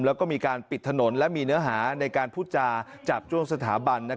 แล้วก็มีการปิดถนนและมีเนื้อหาในการพูดจาจาบจ้วงสถาบัน